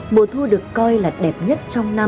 mùa thu được coi là đẹp nhất trong năm